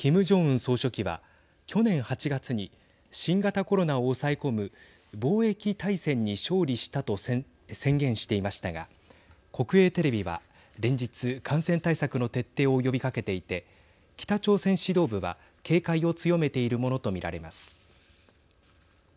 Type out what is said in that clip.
総書記は去年８月に新型コロナを抑え込む防疫大戦に勝利したと宣言していましたが国営テレビは連日感染対策の徹底を呼びかけていて北朝鮮指導部は警戒を強めているものと見られます。